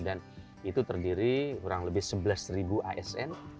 dan itu terdiri kurang lebih sebelas asn